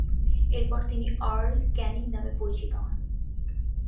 এরপর তিনি Earl Canning নামে পরিচিত হন।